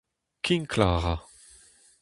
Kinklañ a ra.